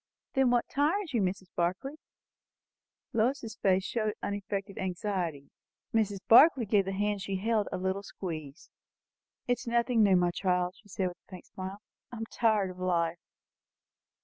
"Then what tires you, dear Mrs. Barclay?" Lois's face showed unaffected anxiety. Mrs. Barclay gave the hand she held a little squeeze. "It is nothing new, my child," she said, with a faint smile. "I am tired of life."